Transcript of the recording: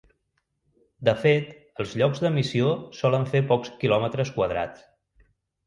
De fet, els llocs d'emissió solen fer pocs quilòmetres quadrats.